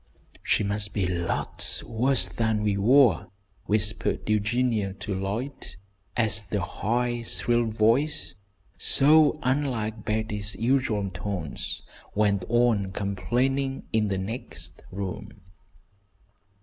"She must be lots worse than we were," whispered Eugenia to Lloyd, as the high, shrill voice, so unlike Betty's usual tones, went on complainingly in the next room.